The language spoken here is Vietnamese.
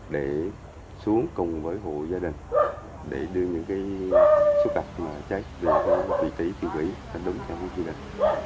để xuống cùng với hộ gia đình để đưa những sức đặc trách vị trí chức hủy đúng cho hộ gia đình